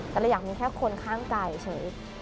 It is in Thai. แต่แล้วอยากมีแค่คนข้างไก่ชัย